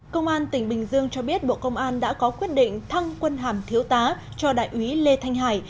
công an tỉnh bình dương cho biết bộ công an đã có quyết định thăng quân hàm thiếu tá cho đại úy lê thanh hải